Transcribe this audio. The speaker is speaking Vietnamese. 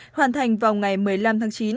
hoàn thành vào ngày một mươi năm tháng chín